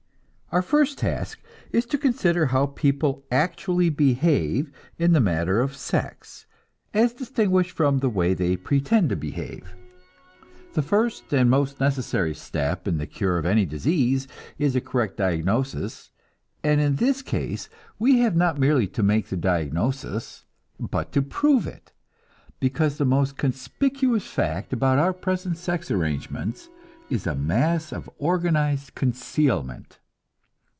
Our first task is to consider how people actually behave in the matter of sex as distinguished from the way they pretend to behave. The first and most necessary step in the cure of any disease is a correct diagnosis, and in this case we have not merely to make the diagnosis, but to prove it; because the most conspicuous fact about our present sex arrangements is a mass of organized concealment.